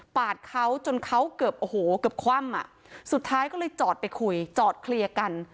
เขาจนเขาเกือบโอ้โหเกือบคว่ำอ่ะสุดท้ายก็เลยจอดไปคุยจอดเคลียร์กัน